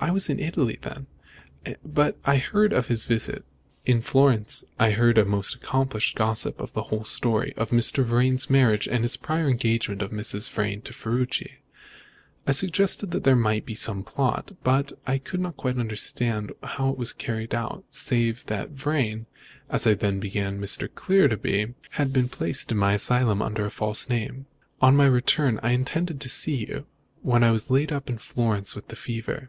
I was in Italy then, but I heard of his visit. In Florence I heard from a most accomplished gossip the whole story of Mr. Vrain's marriage and the prior engagement of Mrs. Vrain to Ferruci. I guessed that there might be some plot, but I could not quite understand how it was carried out, save that Vrain as I then began to believe Clear to be had been placed in my asylum under a false name. On my return I intended to see you, when I was laid up in Florence with the fever.